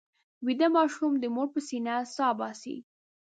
ویده ماشوم د مور پر سینه سا باسي